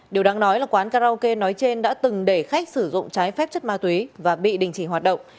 điều đáng nói là quán karaoke nói trên đã từng để khách sử dụng trái phép chất ma túy và bị đình chỉ hoạt động